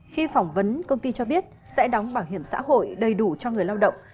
khi phỏng vấn công ty cho biết sẽ đóng bảo hiểm xã hội đầy đủ cho người lao động